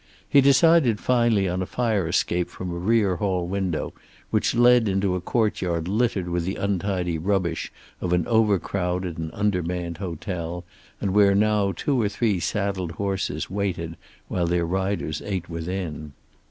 He decided finally on a fire escape from a rear hall window, which led into a courtyard littered with the untidy rubbish of an overcrowded and undermanned hotel, and where now two or three saddled horses waited while their riders ate within.